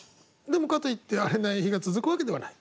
でもかといって荒れない日が続くわけではない。